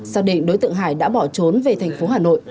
xác định đối tượng hải đã bỏ trốn về thành phố hà nội